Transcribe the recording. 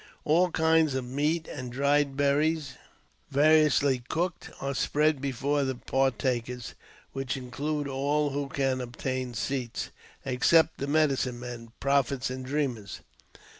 All kinds of meats and dried berries, variously cooked, are spread before the partakers, which includes all who can obtain seats, except the medicine men, prophets, and dreamers.